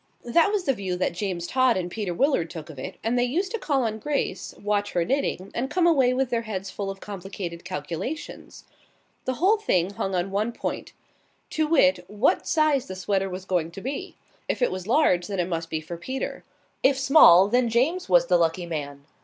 That was the view that James Todd and Peter Willard took of it, and they used to call on Grace, watch her knitting, and come away with their heads full of complicated calculations. The whole thing hung on one point to wit, what size the sweater was going to be. If it was large, then it must be for Peter; if small, then James was the lucky man.